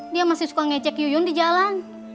dia masih suka ngecek yuyun di jalan